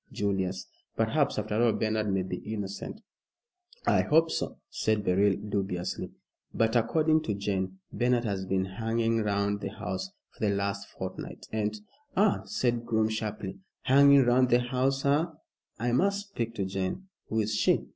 Julius, perhaps after all Bernard may be innocent." "I hope so," said Beryl, dubiously; "but according to Jane, Bernard has been hanging round the house for the last fortnight, and " "Ah!" said Groom, sharply, "hanging round the house, eh? I must speak to Jane. Who is she?"